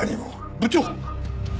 部長！？